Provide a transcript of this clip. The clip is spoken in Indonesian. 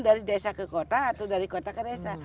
dari desa ke kota atau dari kota ke desa